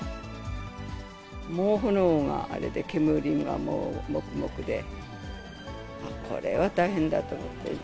もう炎があれで、煙がもうもくもくで、これは大変だと思って。